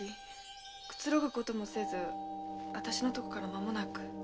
くつろぐこともせずあたしのとこから間もなく。